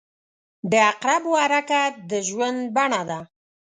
• د عقربو حرکت د ژوند بڼه ده.